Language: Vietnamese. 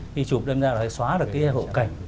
khi chụp đâm ra nó xóa được cái hộ cảnh